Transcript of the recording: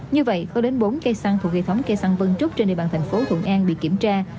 như vậy có đến bốn cây xăng thuộc hệ thống cây săn vân trúc trên địa bàn thành phố thuận an bị kiểm tra